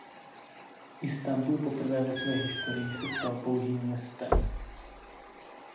Istanbul poprvé ve své historii se stal pouhým městem.